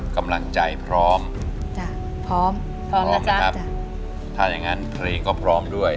กำลังใจพร้อมจ้ะพร้อมพร้อมนะจ๊ะครับจ้ะถ้าอย่างงั้นเพลงก็พร้อมด้วย